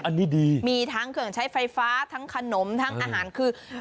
อันนี้ดีมีทั้งเครื่องใช้ไฟฟ้าทั้งขนมทั้งอาหารคือ